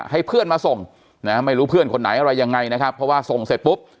ให้เพื่อนมาส่งนะไม่รู้เพื่อนคนไหนอะไรยังไงนะครับเพราะว่าส่งเสร็จปุ๊บ